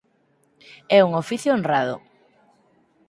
É un oficio honrado.